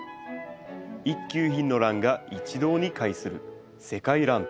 一級品のランが一堂に会する「世界らん展」。